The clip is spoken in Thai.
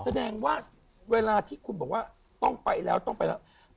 แสดงว่าเวลาที่คุณบอกว่าต้องไปแล้วต้องไปแล้ว